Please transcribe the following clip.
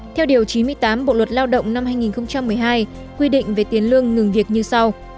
theo điều chín mươi tám bộ luật lao động năm hai nghìn một mươi hai quy định về tiền lương ngừng việc như sau